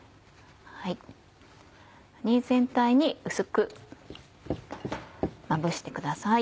身全体に薄くまぶしてください。